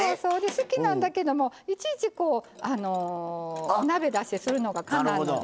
好きなんだけどもいちいちお鍋出してするのがかなわんので。